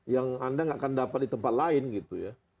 yang anda nggak akan dapat di tempat lain gitu ya